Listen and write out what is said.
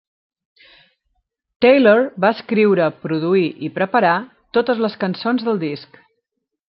Taylor va escriure, produir i preparar totes les cançons del disc.